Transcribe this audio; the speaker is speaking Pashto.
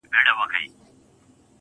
ژونده د څو انجونو يار يم، راته ووايه نو.